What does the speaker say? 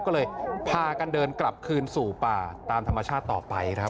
ก็เลยพากันเดินกลับคืนสู่ป่าตามธรรมชาติต่อไปครับ